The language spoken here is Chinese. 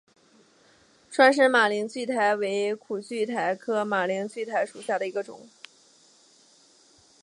川滇马铃苣苔为苦苣苔科马铃苣苔属下的一个种。